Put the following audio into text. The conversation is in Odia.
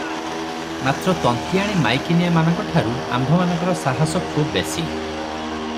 ମାତ୍ର ତନ୍ତୀଆଣୀ ମାଈକିନିଆମାନଙ୍କଠାରୁ ଆମ୍ଭମାନଙ୍କର ସାହସ ଖୁବ୍ ବେଶି ।